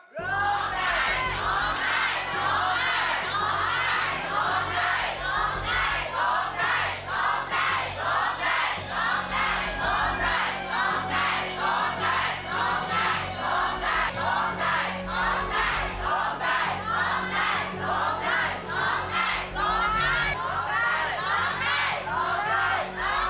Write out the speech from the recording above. ร้องได้ร้องได้ร้องได้ร้องได้ร้องได้